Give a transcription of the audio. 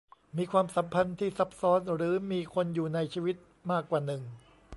มีความสัมพันธ์ที่ซับซ้อนหรือมีคนอยู่ในชีวิตมากกว่าหนึ่ง